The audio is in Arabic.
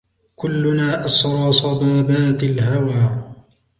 كلّنا أسرى صبابات الهوى